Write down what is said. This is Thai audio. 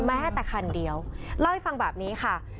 แม้แต่คันเดียวเล่าให้ฟังแบบนี้ค่ะ